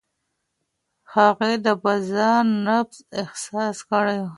هغې د بازار نبض احساس کړی و.